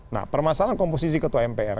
nah permasalahan komposisi ketua mpr